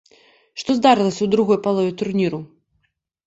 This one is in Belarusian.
Што здарылася ў другой палове турніру?